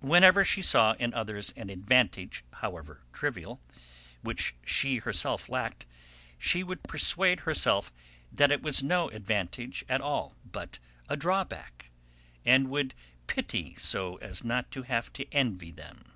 Whenever she saw in others an advantage, however trivial, which she herself lacked, she would persuade herself that it was no advantage at all, but a drawback, and would pity so as not to have to envy them.